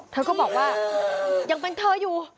เธอก็บอกว่ายังเป็นเธออยู่